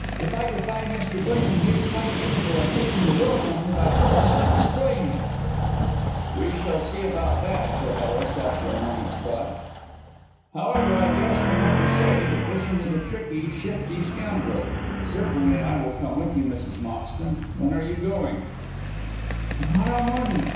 If I defy Mr. Busham, he is quite capable of taking the will from me by force and destroying it." "We shall see about that," said Ellis, after a moment's thought. "However, I guess from what you say that Busham is a tricky, shifty scoundrel. Certainly I will come with you, Mrs. Moxton. When are you going?" "To morrow morning.